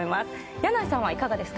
箭内さんはいかがですか？